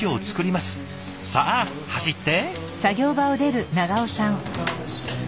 さあ走って。